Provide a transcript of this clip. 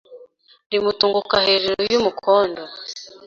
rimutunguka hejuru y ‘umukondo